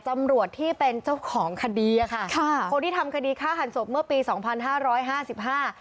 ตำรวจที่เป็นเจ้าของคดีอ่ะค่ะคนที่ทำคดีฆ่าหันศพเมื่อปีสองพันห้าร้อยห้าสิบห้า